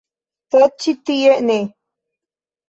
Sed ĉi tie ne.